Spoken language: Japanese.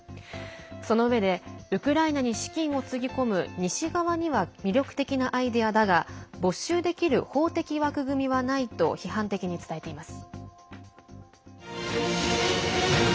そのうえでウクライナに資金をつぎ込む西側には魅力的なアイデアだが没収できる法的枠組みはないと批判的に伝えています。